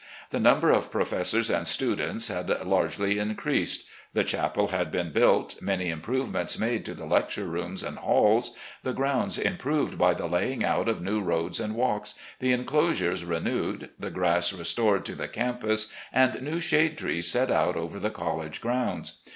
The number of professors and students had largely increased. The chapel had been built, many improvements made to the lecture rooms and halls, the grounds improved by the laying out of new roads and walks, the inclosures renewed, the grass restored to the campus, and new shade trees set out over the college grounds.